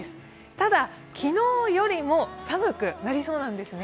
ただ、昨日よりも寒くなりそうなんですね。